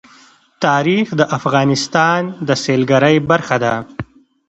تاریخ د افغانستان د سیلګرۍ برخه ده.